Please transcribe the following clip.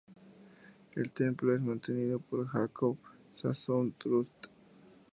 El templo es mantenido por el "Jacob Sassoon Trust".